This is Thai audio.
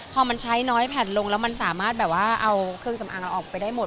พอมันใช้น้อยแผ่นลงแล้วมันสามารถแบบว่าเอาเครื่องสำอางเราออกไปได้หมด